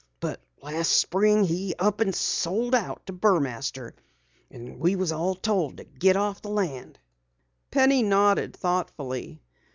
But last spring he up and sold out to Burmaster, and we was all told to git off the land." Penny nodded thoughtfully.